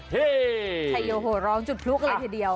เฮ้คัยโยเหาะร้องจุดพลุกอะไรทีเดียว